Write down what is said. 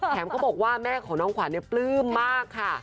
แถมก็บอกว่าแม่ของน้องขวัญอีปลื่มมากค่ะ